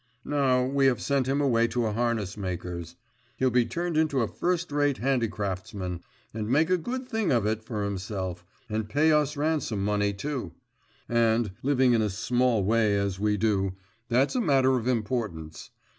Now we have sent him away to a harness maker's. He'll be turned into a first rate handicraftsman and make a good thing of it for himself and pay us ransom money too. And, living in a small way as we do, that's a matter of importance.